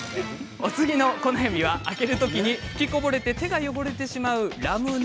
お次の小悩みは開ける時に吹きこぼれて手が汚れてしまうラムネ。